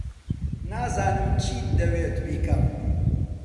نازانم چیت دەوێت بیکەم.